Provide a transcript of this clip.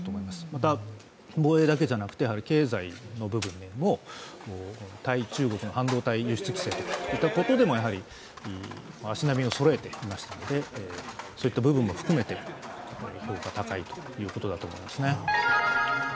また、防衛だけじゃなくて経済の部分でも、対中国の半導体輸出規制といったことでも足並みをそろえてきましたので、そういった部分も含めて、評価が高いと思いますね。